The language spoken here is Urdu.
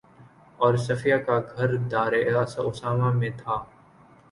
اور صفیہ کا گھر دارِ اسامہ میں تھا